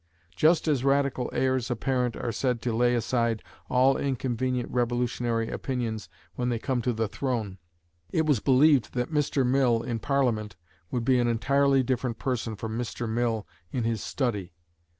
Just as radical heirs apparent are said to lay aside all inconvenient revolutionary opinions when they come to the throne, it was believed that Mr. Mill in Parliament would be an entirely different person from Mr. Mill in his study.